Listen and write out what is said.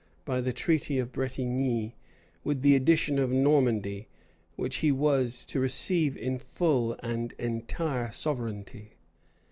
by the treaty of Bretigni, with the addition of Normandy, which he was to receive in full and entire sovereignty.